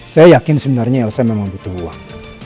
saya yakin sebenarnya elsa memang butuh uang